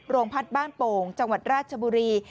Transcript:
โรงพักบ้านโป่งจังหวัดราชบุรี